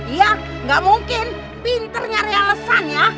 iya gak mungkin pinternya realesan ya